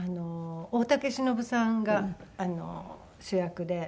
大竹しのぶさんが主役で。